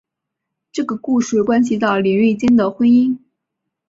这个故事关系到林瑞间的婚姻。